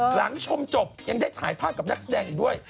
หลังชมจบยังได้ถ่ายภาพกับนักแสดงอีกด้วย